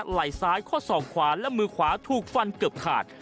ไหล่ซ้ายข้อศอกขวาและมือขวาถูกฟันเกือบขาด